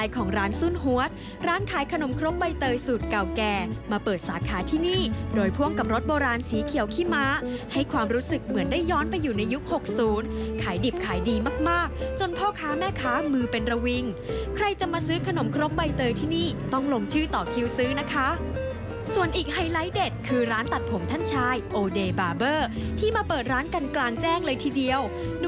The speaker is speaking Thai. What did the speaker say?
ของร้านซุ่นฮวดร้านขายขนมครบใบเตยสูตรเก่าแก่มาเปิดสาขาที่นี่โดยพ่วงกับรสโบราณสีเขียวขี้ม้าให้ความรู้สึกเหมือนได้ย้อนไปอยู่ในยุคหกศูนย์ขายดิบขายดีมากมากจนพ่อค้าแม่ค้ามือเป็นระวิงใครจะมาซื้อขนมครบใบเตยที่นี่ต้องลงชื่อต่อคิวซื้อนะคะส่วนอีกไฮไลท์เด็ดคือร้านตัดผมท่านชาย